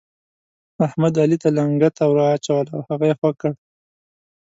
احمد، علي ته لنګته ور واچوله او هغه يې خوږ کړ.